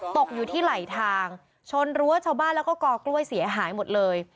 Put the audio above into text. ตกอยู่ที่ไหลทางชนรั้วชาวบ้านแล้วก็กอกล้วยเสียหายหมดเลย